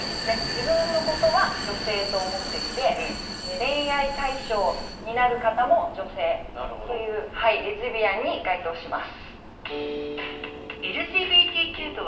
自分のことは女性と思っていて恋愛対象になる方も女性というレズビアンに該当します。